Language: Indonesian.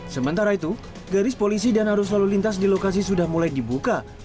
sementara itu garis polisi dan arus lalu lintas di lokasi sudah mulai dibuka